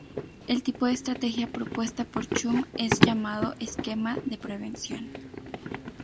El tipo de estrategia propuesta por Chum es llamado esquema de prevención.